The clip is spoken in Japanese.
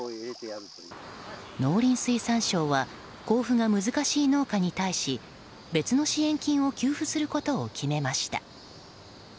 農林水産省は交付が難しい農家に対し別の支援金を給付することを決めました。